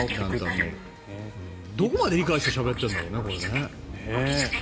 どこまで理解してしゃべってるんだろうね。